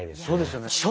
そうですよね。